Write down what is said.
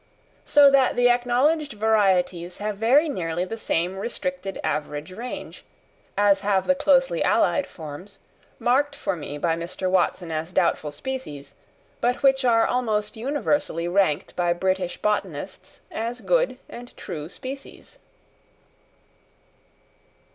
So that the acknowledged varieties have very nearly the same restricted average range, as have the closely allied forms, marked for me by Mr. Watson as doubtful species, but which are almost universally ranked by British botanists as good and true species.